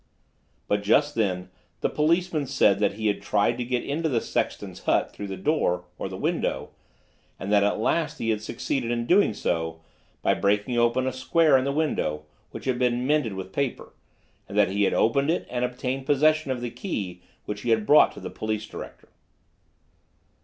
But just then, the policeman said that he had tried to get into the sexton's hut through the door or the window, and that at last he had succeeded in doing so by breaking open a square in a window, which had been mended with paper, and that he had opened it and obtained posesssion of the key which he brought to the police director.